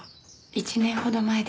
１年ほど前です。